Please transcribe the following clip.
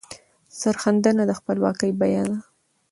سرښندنه د خپلواکۍ بیه ده.